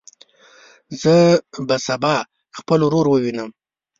زه به سبا خپل ورور ووینم.